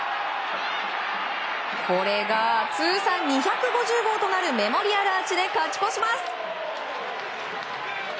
これが通算２５０号となるメモリアルアーチで勝ち越します。